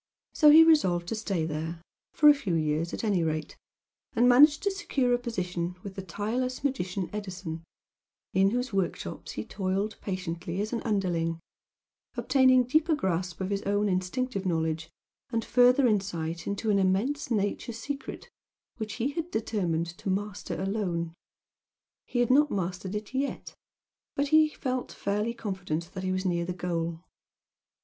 So he resolved to stay there, for a few years at any rate, and managed to secure a position with the tireless magician Edison, in whose workshops he toiled patiently as an underling, obtaining deeper grasp of his own instinctive knowledge, and further insight into an immense nature secret which he had determined to master alone. He had not mastered it yet but felt fairly confident that he was near the goal.